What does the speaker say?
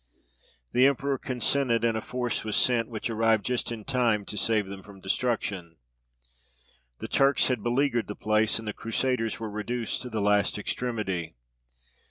The emperor consented, and a force was sent, which arrived just in time to save them from destruction. The Turks had beleaguered the place, and the Crusaders were reduced to the last extremity.